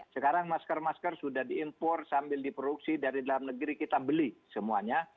sekarang masker masker sudah diimpor sambil diproduksi dari dalam negeri kita beli semuanya